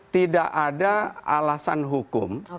tidak ada alasan hukum